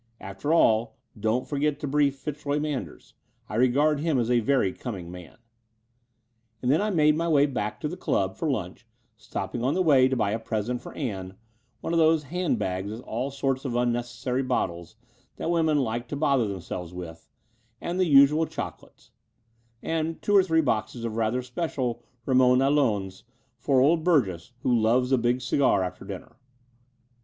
Above all, don't forget to brief Fitzroy Manders. I regard him as a very coming man." And then I made my way back to the dub for lunch, stopping on the way to buy a present for Ann — one of those handbags with all sorts of unnecessary bottles that women like to bother themselves with, and the usual chocolates — ^and two or three boxes of rather special Ramon Allones for old Burgess, who loves a big cigar after dinner.